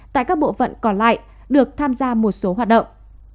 tại các bộ phận còn lại được tham gia một số hoạt động